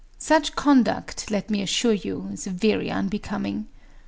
Such conduct, let me assure you, is very unbecoming.